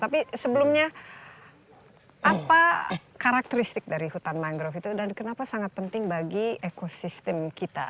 tapi sebelumnya apa karakteristik dari hutan mangrove itu dan kenapa sangat penting bagi ekosistem kita